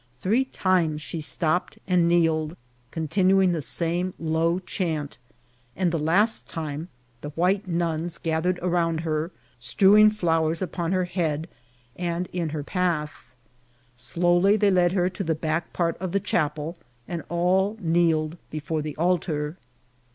Three times she stopped and kneeled, continuing the same low RKMOUVCING THB WOKLD. SIS chanl, and tlie last time the ividXe nuns gathered around her, strewing flowers upon her head and in her path. Slowly they led her to the back part of the dMqp* el| and all kneeled before the altar.